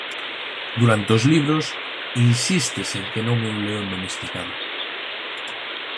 Durante os libros insístese en que non é un león domesticado.